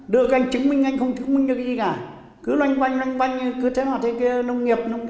đừng rơi dưới hoa và trùng